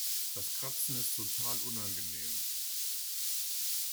Das Kratzen ist total unangenehm.